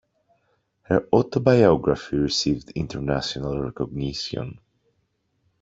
Her autobiography received international recognition.